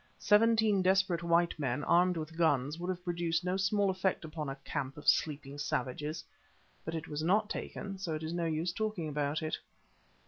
Seventeen desperate white men, armed with guns, would have produced no small effect upon a camp of sleeping savages. But it was not taken, so it is no use talking about it.